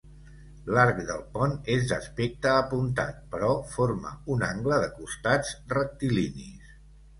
L'arc del pont és d'aspecte apuntat però forma un angle de costats rectilinis.